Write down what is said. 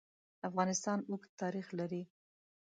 افغانستان اوږد تاریخ لري.